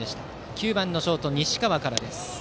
９番のショート、西川からです。